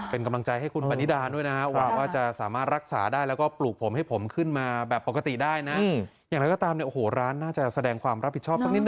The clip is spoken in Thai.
เป็นกำลังใจให้คุณปณิดาด้วยนะว่าจะสามารถรักษาได้